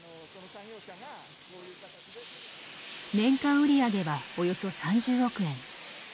年間売り上げはおよそ３０億円。